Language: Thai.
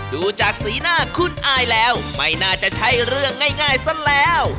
ดูจากสีหน้าคุณอายแล้วไม่น่าจะใช่เรื่องง่ายซะแล้ว